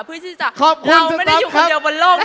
เพื่อที่จะขอบคุณสต๊อบครับเราไม่ได้อยู่คนเดียวบนโลกนะคะ